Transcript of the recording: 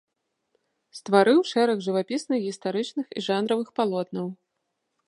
Стварыў шэраг жывапісных гістарычных і жанравых палотнаў.